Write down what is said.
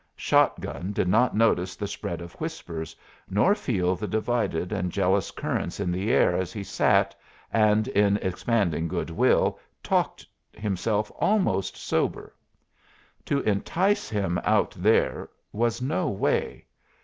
Shotgun did not notice the spread of whispers, nor feel the divided and jealous currents in the air as he sat, and, in expanding good will, talked himself almost sober. To entice him out there was no way.